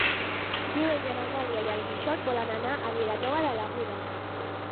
Diumenge n'Eulàlia i en Quixot volen anar a Vilanova de l'Aguda.